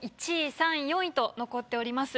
１位３位４位と残っております。